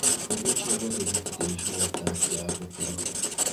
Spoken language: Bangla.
গোপন সংবাদের ভিত্তিতে এ সময় তাঁকে আটক করা হয়।